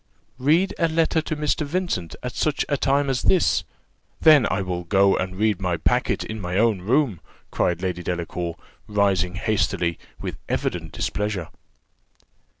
"Read a letter to Mr. Vincent at such a time as this! then I will go and read my packet in my own room," cried Lady Delacour, rising hastily, with evident displeasure.